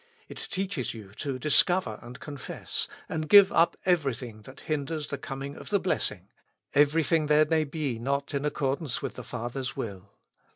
It teaches you to discover and confess, and give up everything that hinders the coming of the blessing ; everything there may be not in accordance with the Father's will.